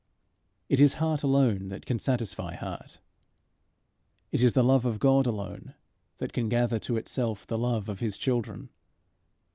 It is heart alone that can satisfy heart. It is the love of God alone that can gather to itself the love of his children.